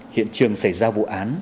hiện trường xảy ra vụ án